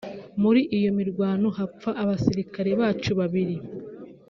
muri iyo mirwano hapfa abasirikare bacu babiri